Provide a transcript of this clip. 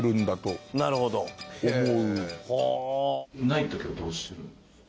ない時はどうしてる？